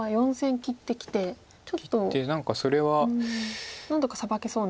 切って何かそれは。何とかサバけそうな。